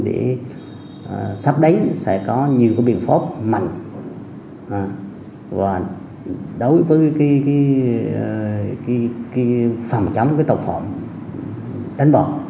để sắp đánh sẽ có nhiều biện pháp mạnh đối với phòng chấm tàu phòng đánh bạc